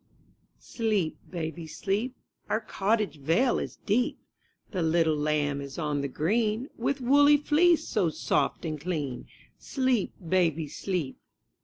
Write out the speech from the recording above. MY BOOKHOUSE CLEEP, baby, sleep* Our cottage vale is deep, The little lamb is on the green. With woolly fleece so soft and clean. Sleep, baby, sleep.